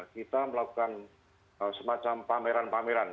kita melakukan semacam pameran pameran